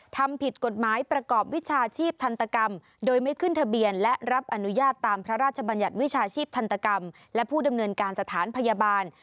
ทำผิดกฎหมายประกอบวิชาชีพทันตกรรมโดยไม่ขึ้นทะเบียนและรับอนุญาตตามพระราชบัญญัติวิชาชีพทันตกรรมและผู้ดำเนินการสถานพยาบาล